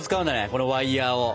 このワイヤーを。